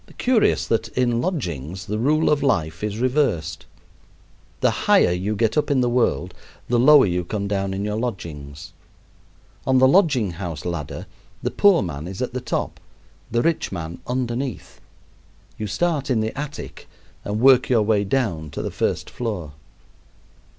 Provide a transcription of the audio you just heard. Curious, that in lodgings the rule of life is reversed. The higher you get up in the world the lower you come down in your lodgings. On the lodging house ladder the poor man is at the top, the rich man underneath. You start in the attic and work your way down to the first floor.